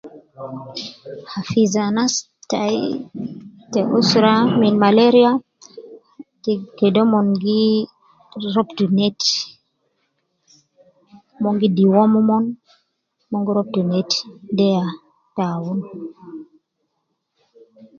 Hafiz anas tai te usra min malaria, te kede omon gi robtu neti, mon gi deworm omon, mon gi robtu neti, de ya ta awun